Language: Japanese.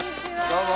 どうも。